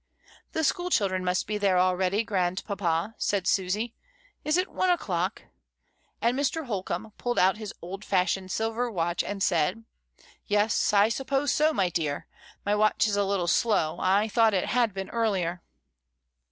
"The school children must be there, already, grandpapa," said Susy; "is it one o'clock?" and Mr. Holcombe pulled out his old fashioned silver watch, and said — "Yes; I suppose so, my dear; my watch is a little slow; I thought it had been earlier."